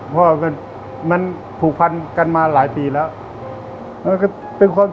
เพราะว่ามันผูกพันกันมาหลายปีแล้วเป็นความชอบมาตั้งแต่เด็ก